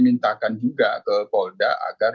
mintakan juga ke polda agar